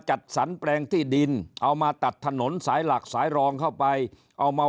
จัดสรรแปลงที่ดินเอามาตัดถนนสายหลักสายรองเข้าไปเอามา